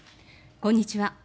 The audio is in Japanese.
こんにちは。